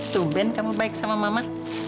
tuh ben kamu baik sama mama